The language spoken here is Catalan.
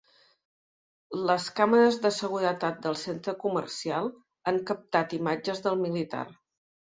Les càmeres de seguretat del centre comercial han captat imatges del militar.